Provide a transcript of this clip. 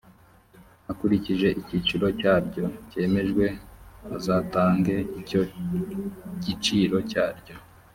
akurikije igiciro cyaryo cyemejwe azatange icyo giciro cyaryo